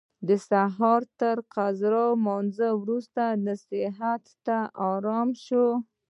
د سهار تر فرض لمانځه وروسته نصیحت ته اړم شو.